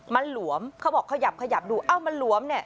มันหลวมเขาบอกขยับดูเอ้ามันหลวม